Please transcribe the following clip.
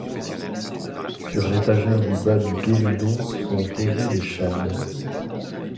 Sur l'étagère du bas du guéridon sont posées des chaînes.